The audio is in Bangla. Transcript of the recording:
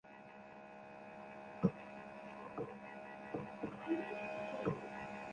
ঠিক যখন সেই তৃতীয় বছরে শীত নামছিল, আমার জীবন চিরতরে বদলে গেলো।